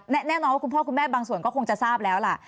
แน่นอนว่าคุณพ่อคุณแม่บางส่วนก็คงจะทราบแล้วล่ะ